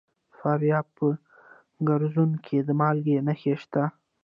د فاریاب په ګرزوان کې د مالګې نښې شته.